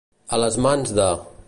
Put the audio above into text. A les mans de.